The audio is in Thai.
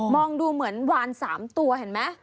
องดูเหมือนวาน๓ตัวเห็นไหม